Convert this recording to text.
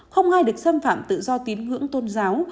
không ai được xâm phạm tự do tín ngưỡng tôn giáo